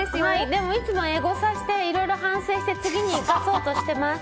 でもいつもエゴサして、いろいろ反省して次に生かそうとしてます。